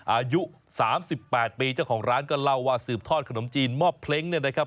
อายุ๓๘ปีเจ้าของร้านก็เล่าว่าสืบทอดขนมจีนหม้อเพลงเนี่ยนะครับ